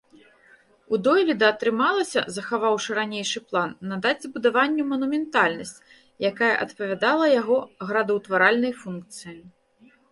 У дойліда атрымалася, захаваўшы ранейшы план, надаць збудаванню манументальнасць, якая адпавядала яго градаўтваральнай функцыі.